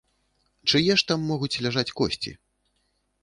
Чые ж там могуць ляжаць косці?